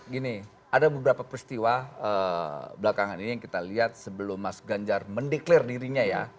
gini ada beberapa peristiwa belakangan ini yang kita lihat sebelum mas ganjar mendeklir dirinya ya